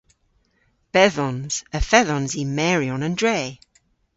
Bedhons. Y fedhons i meryon an dre.